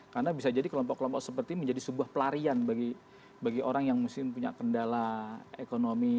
karena bisa jadi kelompok kelompok seperti ini menjadi sebuah pelarian bagi orang yang mungkin punya kendala ekonomi